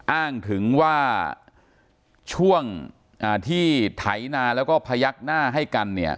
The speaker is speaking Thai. อ้างถึงว่าช่วงที่ไถนาแล้วก็พยักหน้าให้กันเนี่ย